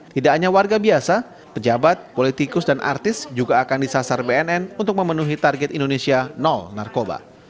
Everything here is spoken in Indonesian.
tidak hanya warga biasa pejabat politikus dan artis juga akan disasar bnn untuk memenuhi target indonesia nol narkoba